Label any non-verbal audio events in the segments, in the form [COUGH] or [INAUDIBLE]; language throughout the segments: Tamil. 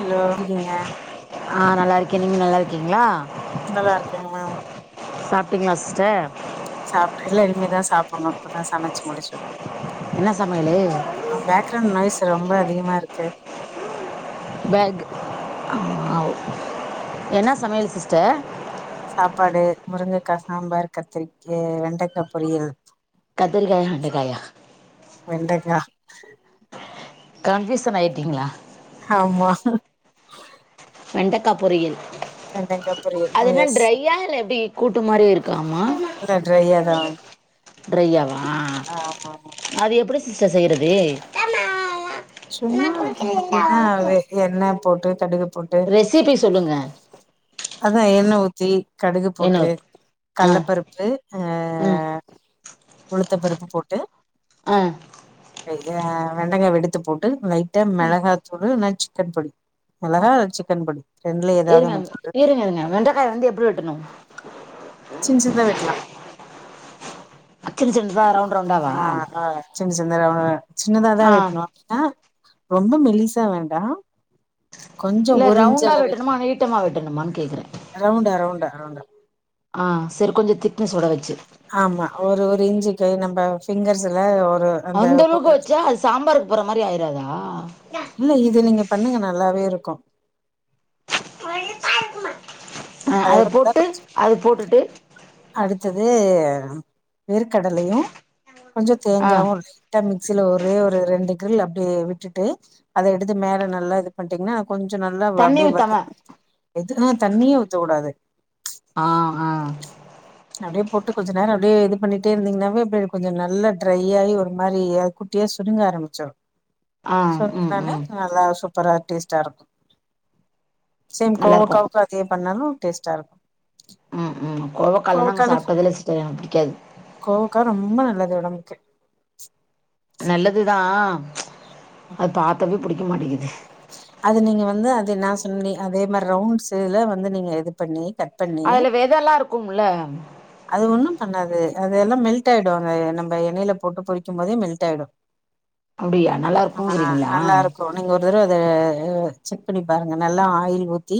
ஹலோ எப்டி இருக்கீங்க? ஆ நல்லா இ க்க நீங்க நல்லா இருக்கீங்ளா நல்லா இருக்கேங்க மேம் சாப்ட்டீங்ளா சிஸ்டர் சாப்ட்ட இல்ல இனிமேதா சாப்பணு இப்பதா சமச்சு முடிச்ச என்ன சமயலூ நா பேக் ரவுண்ட் நாய்ஸ் ரொம்ப அதிகமா இருக்கு பேக் ஆ என்ன சமயல் சிஸ்டர் சாப்பாடு முருங்கக்கா சாம்பார் கத்திரிக்கெ வெண்டக்கா பொரியல் கத்திரிகாயா வெண்டக்காயா வெண்டக்கா கன்ஃபீயூசன் ஆயிட்டீங்ளா ஆமா வெண்டக்கா பொரியல் வெண்டைக்கா அது பொரியல் என்ன எஸ் ட்ரையா இல்ல எப்டி கூட்டு மாரி இருக்காமா இல்ல ட்ரையாதா ட்ரையாவா ஆமாமா அது எப்டி சிஸ்டர் செய்யறது சும்மா எப்டின்னா எண்ணெ போட்டு கடுகு போட்டு ரெசிப்பி சொல்லுங்க அதா எண்ணெ ஊத்தி கடுகு என்ன போட்டு ஆ கள்ளப்பருப்பு அ ஆ உளுத்தம் பருப்பு போட்டு் ஆ எ வெண்டக்கா வெடு த்து போட்டு லைட்டா மெளகாத் தூளு இல்லனா சிக்கன் பொடி மெளகா சிக்கன் பொடி ரெண்டுல ஏதாவது ஒண்ணு இருங்க போட்டு இருங்க இருங்க வெண்டக்காய வந்து எப்டி வெட்டணு சின் சின்தா வெட்லா அ சின்சின்தா ரவுண்ட் ரவுண்டாவா சின் சின்னதாம சின்னதாதா ஆ வெட்னு அ ரொம்ப மெல்லிசா வேண்டா கொஞ்சொ இல்ல ஒரு இன்ச் ரவுண்டா அளவு வெட்டணுமா நீட்டமா வெட்டணுமான்னு கேக்குறேன் ரௌண்டா ரௌண்டா ரௌண்டா ஆ செரி கொஞ்சோ திக்னஸ் ஓட வெச்சு ஆமா ஒரு ஒரு இஞ்சு கை நம்ம ஃபிங்கர்ஸ்ல ஒரு அந்த அளவுக்கு வச்சா அது சாம்பாருக்கு போற மாரி ஆயிராதா இல்ல இது நீங்க பண்ணுங்க நல்லாவே இருக்கு [UNINTELLIGIBLE] ஆ அதை அதோட [UNINTELLIGIBLE] போட்டு கொஞ் அது போட்டுட்டு அடுத்தது வேர்க் கடலையு கொஞ்ச ஆ தேங்காவு லை ட்டா மிக்சியில ஒரே ஒரு ரெண்டு கிரில் அப்டியே விட்டுட்டு அத எடுத்து மேல நல்லா இது பண்ட்டீங்னா கொஞ்சொ நல்லா வா தண்ணி அப்டியே ஊத்தாம வதக் எது அ தண்ணியே ஊத்தக்கூடாது ஆ அ அப்டியே போட்டு கொஞ்ச நேரொ அப்டியே இது பண்ணிட்டே இருந்தீங்கன்னாவே அப்டியே கொஞ்ச நல்ல ட்ரை ஆயி ஒரு மாரியா குட் டியா சுருங்க ஆரம்பிச்சுரு ஆ சோ ம் அதுனால ம் நல்லா சூப் பரா டேஸ்ட்டாருக்கு சேம் நல்லா இருக்கும் கோவக்காவுக்கு அதே பண்ணாலு டேஸ்ட்டா இருக் ம் ம் கோவக்கால்லா நாங்க சாப்டதே இல்ல சிஸ்டர் எனக் பிடிக்காது கோவக்கா ரொம்ப நல்லது ஒடம்புக்கு நல்லதுதா அது பாத்தாவே புடிக்க மாட்டேங்கிது அது நீங்க வந்து அத நா சொன் நீ அதேமாரி ரவுண்ட்ஸ்ஸிதுலே வந்து நீங்க இது பண்ணி கட் பண்ணி அதுல வெதெல்லா இருக்கும்ல அது ஒன்னும் பண்ணாது அது எல்லா மெல்ட் ஆயிடுங்க நம்ப எண்ணெயில போட்டு பொறிக்கும் போதே மெல்ட் ஆயிடு அப்டியா நல்லா இருக்குங்கிறீங்ளா நல்லா இருக்கும் நீங்க ஒரு தடவ அத செக் பண்ணி பாருங்க நல்லா ஆயில் ஊத்தி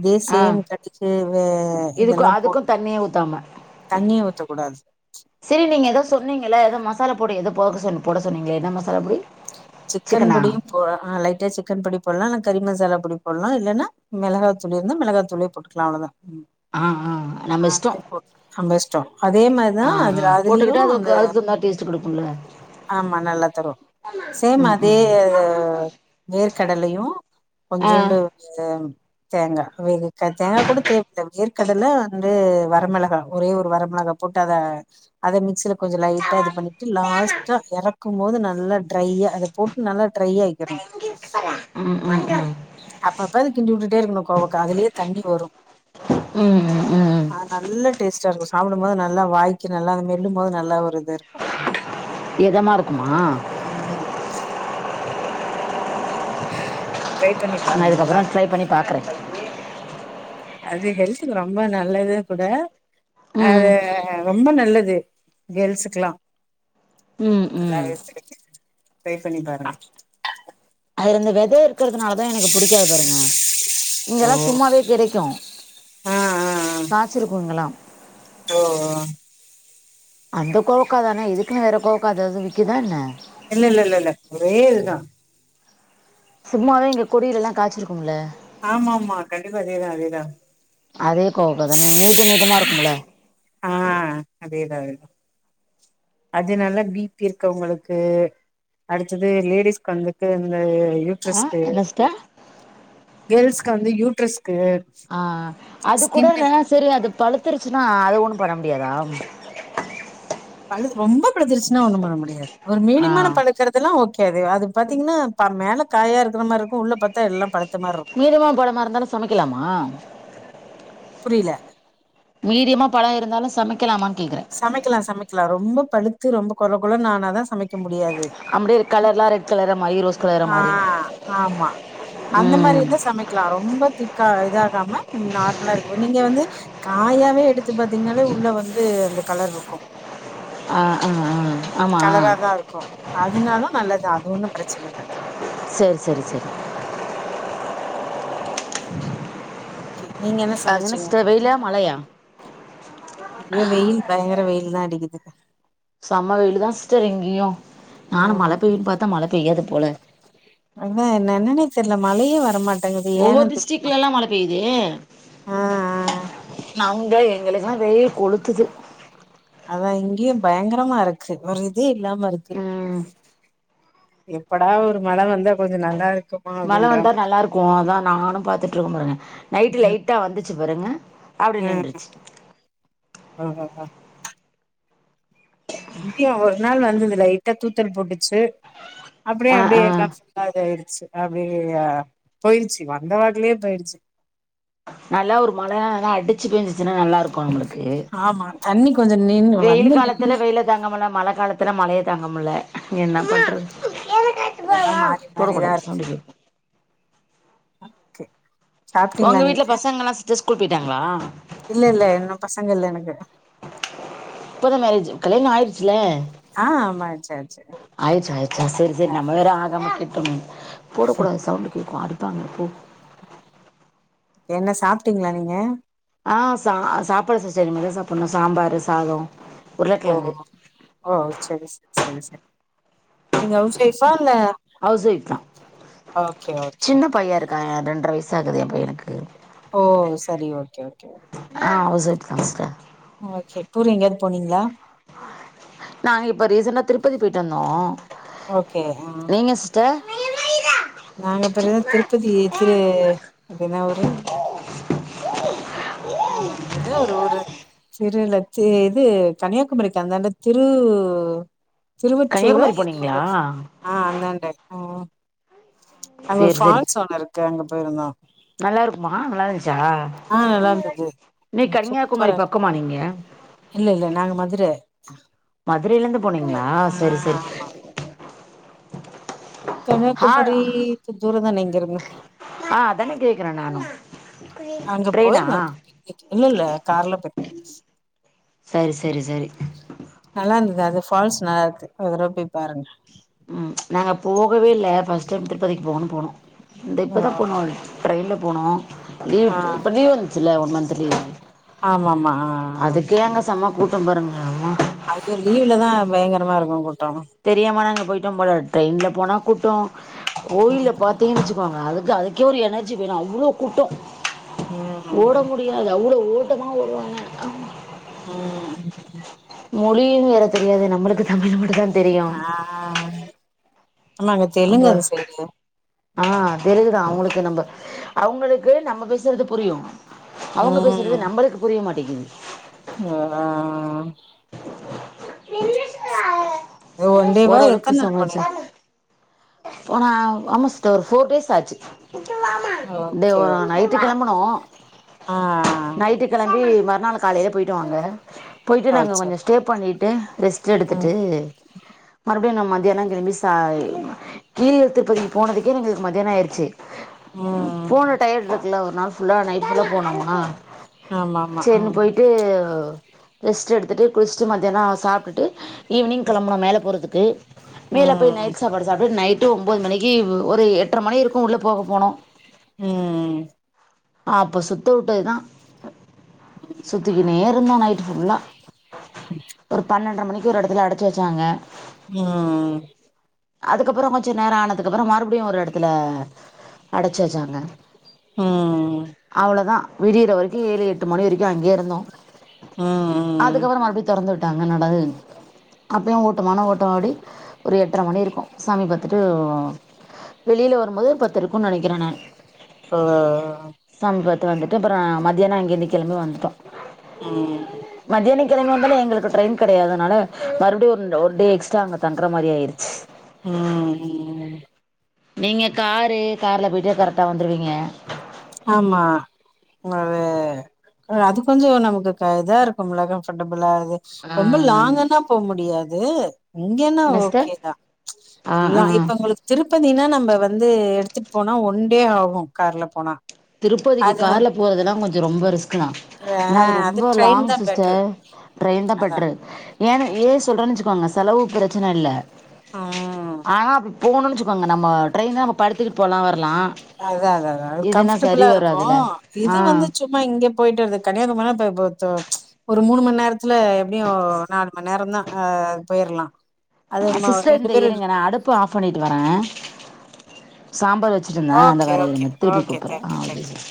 இதே ஆ சேம் கடுகு வே இதுக்கு இதெல்லா அதுக்கு போட் தண்ணியே ஊத்தாம தண்ணியே ஊத்த கூடாது செரி நீங்க எதோ சொன்னீங்களா எதோ மசாலா பொடி எதோ போக சொன்னிங் போட சொன்னீங்களா என்ன மசாலா பொடி சிக்கன் சிக்கனா பொடியும் போ அ லைட்டா சிக்கன் பொடி போட்லா இல்ல கறி மசாலா பொடி போட்லா இல்லனா மெளகா தூள் இருந்தா மெளகா தூளே போட்டுக்லா அவ்ளதா ம் ஆ ஆ நம்ம இஷ்டோ நம்ப இஷ்டோ அதே மார்தா அதுல அதுலயு அந்த ச்சு குடுப்போம்ல ஆமா நல்லா தரு சேம் ம் அதே ம் ஆ வேர்க் கடலையு ம் கொஞ்சோண்டு இது தேங்கா வேகு க தேங்கா கூட தேவப்படாது வேர்க்கடல வந்து வரமெளகா ஒரே ஒரு வர மொளகா போட்டு அத அதே மிக்சில கொஞ்சொ லைட்டா இது பண்ணிட்டு லாஸ்ட்டா எறக் க்கும்போது நல்ல ட்ரையா இத போட்டு நல்லா ட்ரையாக் நா இங்க இருக்கிறேன் ம் ம் ம் அப்பப்ப அது கிண்டி வுட்டுட்டே இருக்கணு கோவக்கா அதுலேயே தண்ணி வரு ம் ம் ம் ம் ஆ நல்ல டேஸ்டா இருக்கு சாப்புடுபோது நல்லா வாய்கு நல்லா அது மெல்லு போது நல்லா ஒரு இது இருக்கு எதமா இருக்குமா ம் ம் ட்ரை பண்ணி நா பாருங்க நல்லா இதுக்கப்றோ இருக்கு ட்ரை பண்ணி பாக்குறே அது ஹெல்துக்கு ரொம்ப நல்லது கூட ம் அது ரொம்ப நல்லது கேள்ஸுகுல்லா ம் ம் ல்லாவே கெடைக்கு ட்ரை பண்ணி பாருங்க அதல இந்த வெத இருக்கிறதுனாலதா எனக்கு புடிக்காது பாருங்க இங்கெல்லா சும்மாவே கெடைக்கு ஆ ஆ காய்சிருக்கு இங்கெல்லா ஆ அந்த கோவக்கா தான இதுக்குன்னு வேற கோவக்கா எதாவுது விக்குதா என்ன இல்ல இல்ல இல்ல இல்ல ஒரே இதுதா சும்மாவே இங்க கொடியிலெல்லா காச்சிருக்கும்ல ஆமா ஆமா கண்டிப்பா அதேதா அதேதா அதே கோவக்கா தான நீட்ட நீட்டமா இருக்குல ஆ அதேதா அதேதா அது நல்ல பி பி இருக்கவங்களுக்கு அடுத்தது லேடிஸ்க்கு வந்துட்டு இந்த யூட் ஆ யூட்ரஸ்க் என்ன சிஸ்டர் கேள்ஸ்க்கு வந்து யூட்ரஸ்க்கு ஆ அது கூட ஸ்கின்னு செரி அது பழுத்துருச்சுன்னா அது ஒண்ணு பண்ண முடியாதா பழு ரொம்ப பழுத்துருச்சுன்னா ஒண்ணு பண்ண முடியாது ஒரு ஆ மீடியமான பழு க்கிறதெல்லா ஓகே அது அது பாத்தீங்கன்னா ப மேல காயா இருக்குற மாரி இருக்கு உள்ள பாத்தா எல்லா பழுத்த மார்ருக் மீடியமா பழமா இருந்தாலு சமக்கிலாமா புரியில மீடியமா பழோ இருந்தாலு சமைக்கலாமான்னு கேட்குறே சமைக்கலா சமைக்கலா ரொம்ப பழுத்து ரொம்ப கொழ கொழனு ஆனா தா சமைக்க முடியாது அப்படியே கலர்லாம் ரெட் கலரை மாதிரி ரோஸ் கலரை ஆ மாதிரி ஆமா அந்த மாரி ம் இருந்தா சமைக் க்கலா ரொம்ப திக்கா இதாகாம நார்மலா இருக்கு நீங்க வந்து காயாவே எடுத்து பாத்தீங்னாலே உள்ள வந்து அந்த கலர்ருக்கு ஆ ஆ ஆ ஆமாம் கலராதா இருக்கு அதுனாலு நல்லதா அது ஒண்ணு ப்ரச்சன இல்ல செர் செரி செரி ஓகே நீங்க என்ன அங்க என்ன சமைச்சீங்க சிஸ்டர் வெய்லா மழயா ஐயோ வெய்யில் பயங்கர வெய்யில் தா அடிக்குது செம்ம வெயிலு தா சிஸ்ட்ர் இங்கயு நானு மழ ம் பெய்யு பாத்தா மழ பெய்யாது போல அதா என்னன்னே தெர்ல மழயே வரமாட் ஒவ்வொரு டிஸ்டரிக்லல்லா மழ பெய்து ஆ ஆ நவுங்க எங்களுக்லா வெய்யில் கொளுத்துது அதா இங்கயு பயங்கரமா இருக்கு ஒரு இதே இல்லாம இருக்கு ம் எப்படா ஒரு மழ வந்த மழ வந்தா நல்லா இருக்கு அதா நானு பாத்துட்டு இருக்கோ பாருங்க நைட் லைட்டா வந்துச் சி பாருங்க அப்டியே நின்றுச்சு ஆ ஆ ஆ. இங்கியு ஒரு நாள் வந்துது லைட்டா தூத்தல் போட்டுச்சு அப்டியே ஆ ஆ அப்டியே டாப் ஸ்டா அதாயிருச்சு அப்டியே போயிருச்சு வந்த வாக்லியே போய்ருச்சு. நல்லா ஒரு மழ லா அடிச்சு பேஞ்சுச்சுன்னா நல்லாருக்கு நம்முளு ஆமா தண்ணி கொஞ்சோ நின்னு வெயில் வந்து காலத்துல நின்னு வெயில தாங்க முல்ல மழ காலத்துல மழய தாங்க முல்ல என்ன பண்றது. இதெல்லா போடக்கூடாது சவுண்ட [UNINTELLIGIBLE] ஓகே. ஒங்க வீட்ல பசங்க எல்லா ஸ்டர் ஸ்கூல் போய்ட்டாங்ளா? இல்ல இல்ல இன்னு பசங்க இல்ல எனக்கு. இப்பொதா மேரேஜு கல்யாணோ ஆயிர்ச்சுல. ஆ மேரேஜ் ஆய்ச்சு. ஆய்ர்ச்சா ஆய்ர்ச்சா செரி செரி நம்ம வேற ஆகாம கேட்டமோ கேக்கும் அடுத்தவங்க கு என்ன சாப்ட்டிங்ளா நீங்க? ஆ சா ஆ சாப்பல்ல சிஸ்டர் இனிமேதா சாப்பணு சாம்பாரு சாதோ. ஓ ஓ ஓ செரி செரி செரி செரி. நீங்க ஹவுஸ் ஒய்ஃபா இல்ல ஹவுஸ் ஒய்ஃப் தான் ஓகே ஓகே ஓகே. அ ரெண்ர வயிசு ஆகுது எ பையனுக்கு. ஓ சரி ஓகே ஓகே ஓ ஆ ஹவுஸ் ஒய்ஃப்தா ஸ்டர். ஓகே டூர் எங்கியாது போனிங்ளா? நாங்க இப்ப ரீசென்டா திருப்பதி போய்ட்டு வந்தோ. ஓகே ஆ நீங்க சிஸ் ட்ட? நாங்க இப்டிதா திருப்பதி திரு அது என்னா ஊரு? ம் எதோ ஒரு ஊரு. திருல த்து இது கன்னியாகுமரிக்கு அந்தாண்ட திரு திருவற்றூரா கன்னியாகுமரி எதோ ஒரு போனீங்களா ஆ அந்தாண்ட ம் அங்க ஒரு சரி ஃபால்ஸ் ஒன்னு இருக்கு அங்க போயிருந்தோ. நல்லாருக்மா நல்லா இந்ச்சா? ஆ நல்லா இருந்தது நீ ம். கன்னியாகுமரி சூப்பரா பக்கமா நீங்க? இல்ல இல்ல நாங்க மதுர மதுரைலந்து போனிங்ளா ஆ செரி செரி. ஆமா ஆ கன்னியாகுமரி து தூரந்தான இங்கிருந்து. ஆ அதானே கேக்குறே நானு அங்க ட்ரெயினா போயிருந்தோ இ இல்லல்ல கார்ல போட் சரி சரி சரி. நல்லாந்துது அது ஃபால்ஸ் நல்லாக்கு ஒரு தடவ போய் பாருங்க. ம் நாங்க போகவேல்ல ஃபஸ்ட் டைம் திருப்பதிக்கு போகணும் போனோ இந்த இப்பதா ஆ போனோ. ட்ரெயின்ல போனோ. லீவ் ஆ ட்டு இப்ப லீவ் வந்ச்சில்ல ஒன் மந்த் லீவு ஆமா ஆமா ஆ ஆ அதுக்கே அங்க செம்ம கூட் டம் பாருங்க அம்மா. அய்யோ லீவ்லதா பயங்கரமா இருக்கு கூட்டோ. தெரியாம நாங்க போயிட்டம் போல ட்ரெயின்ல போனா கூட்டோ கோயில்ல ம் பாத்திங்கணு வெச்சுக்கோங்க அதுக்கு அது க்கே ஒரு எனர்ஜி வேணு அவ்ளோ கூட்டோ. ஓட ம் மு டியாது அவ்ளோ ஓட்டமா ஓடுவாங்க அம் ம் ம். மொலியு வேற தெரியாது நம்மளுக்கு தமிழ் மட்டு தா தெரியு ஆ ஆமா அங்க அப்ப தெலுங்கர சைடு ஆ தெலுகுதா அவுங்களுக்கு நம்ப அவுங்களுக்கு நம்ம பேசுறது புரியு அவுங்க பேசுறது நம்பளுக்கு புரிய மாட்டிங்குது ஓ ஆ ஆ ஒன்டே வா எத்தன் நாள் போனிங்க போன ஆமா சிஸ்டர் ஒரு ஃபோர் டேஸ் ஆச்சு டே ஓகே ஒ ஓகே நைட்டு கெளம்பனோ ஆ நைட்டுக் கு கெளம்பி மறுநாள் காலயில போயிட்டோ அங்க போயிட்டு ஆ ஓ நாங்க கொஞ்ச சரி ஸ்டே பண்ணிட் டு ரெஸ்ட்டு ம் எடுத்துட்டு மறுபுடியு அங்க மதியான கெளம்பி சாய் கீழ்ழ திருப்பதிக்கு போனதுக்கே எங்களுக்கு மதியாண ஆயிருச்சு போன ம் டயட் இருக்குல்ல ஒரு நாள் ஃபுல்லா நைட் ஃபுல்லா போனோம்னா ஆமா ஆமா சேர்னு போய்ட்டு ரெஸ்ட்டு எடுத்துட்டு குளிசிட்டு மதியாணோ சாப்ட்டுட்டு ஈவினிங் கெளம்பனோம் மேல போறதுக்கு ஆ மேல போய் நைட் சாப்பாடு சாப்ட்டு நைட்டு ஒம்போது மணிக்கு ஒரு எட்ற மணி இருக்கு உள்ள போக போனோ ம் ம் அப்போ சுத்தவுட்டது தா சுத்திகுனே இருந்தா நைட் ஃபுல்லா ஒரு பன்னெண்ற மணிக் கு ஒரு எடத்துல அடச்சு வச்சாங்க ம் ம் அதுக்கப்புறோ கொஞ்ச நேரோ ஆனதுக்கப்பறோ மறுபடியு ஒரு எடத்துல அடச்சு வச்சாங்க ம் அவ்ளோதா விடியிற வரிக்கு ஏழு எட்டு மணி வரிக்கு அங்கே இருந்தோ ம் ம் அதுக்கப்பறோ மறுபடியு தொறந்து உட்டாங்க நலது அப்பயு ஓட்டமான ஓட்டோ ஓடி ஒரு எட்ர மணி இருக்கு சாமீபாத் ட்டு வெளில வரும்போது பத்து இருக்கு நனைக்கிற நானு ஆ ஆ அ சாமி பாத்து வந்துட்டு அப்றோ மத்தியானோ அங்கிருந்து கெளம்பி வந்துட்டோ ம் மத்யான கெளம்பி வந்தாளே எங்களுக்கு ட்ரெயின் கெடையாதனால மறுப்டியு ஒருன் ஒரு டே எக்ஸ்ட்ரா அங்க தங்கற மாரி ஆயிருச்சு ம் ம் ம் நீங்க காரு கார்ல போய்ட்டு கரெக்டா வந்துருவீங்க ஆமா ம் அது அது கொஞ்சோ நமக்கு க இதா இருக்கும்ல கம்ஃபர்டபிளா அது ஆ ரொம்ப லாங்கான்னா போ முடியாது இங்கேனா என்ன சிஸ்டர் ஓகேதா ஆ இல்ல ஆ இப்ப உங்களுக் திருப்பதினா நம்ப வந்து எடுத்துட் போனா ஒன் டே ஆகு கார்ல போனா திருப்பதிக்கு அது வந்து கார்ல போறதெல்லா கொஞ்சோ ரொம்ப ரிஸ்க்கு தா ஆ ஏனா அது ரொம்போ ட்ரெயின் லாங் தா பெட்ரு சிஸ்டர் ட்ரெயின் தா அதா பெட்ரு ஏனா ஏ பெட்ரு சொல்றன் வச்சுக்கோங்க செலவு பரச்சன இல்ல ம் ஆனா போணுன் வச்சுக்கோங்க நம்ம ட்ரெயின்னா நம்ம படுத்துட்டு போலா வரலா அதா அதா அதா அது இதுன்னா சரி கம்ஃபர்ட்டபுளா இருக்கு வராதுல இது ஆ வந்து சு சும்மா இங்க போயிட்டு வருது கன்னியாகுமனா ப போ தோ ஒரு மூணு மண் நேரத்துல எப்டியு நாலு மண் நேரோதா ஆ போயிரலா அது அ ம சிஸ்டர் ரெண்டு இந்த பேரு இருங்க நா அடுப்பு ஆஃப் பண்ணிட்டு வரே சாம்பார் வச் வச்சுருந்த இந்த ஓகே வரே ஓகே இருங்க திருப்பி ஓகே தேங்க்யூ தேங்க்யூ கூப்புற்றே ஆ